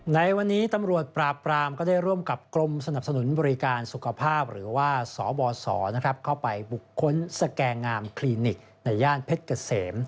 ในวันนี้ตำรวจปราบปรามก็ได้ร่วมกับกรมสนับสนุนบริการสุขภาพหรือว่าสบสเข้าไปบุคคลสแกงามคลินิกในย่านเพชรเกษม